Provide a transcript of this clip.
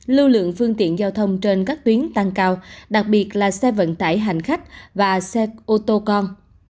lưu lượng phương tiện giao thông trên các tuyến tăng cao đặc biệt là xe vận tải hành khách và xe ô tô con